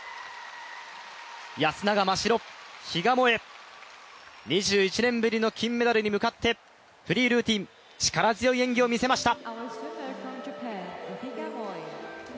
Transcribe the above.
安永真白、比嘉もえ、２１年ぶりの金メダルに向かって、フリールーティン、力強い演技を見せました。